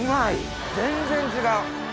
全然違う！